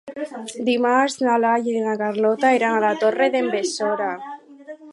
Dimarts na Laia i na Carlota iran a la Torre d'en Besora.